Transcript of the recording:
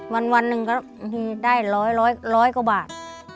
วันหนึ่งก็ได้ร้อยร้อยกว่าบาท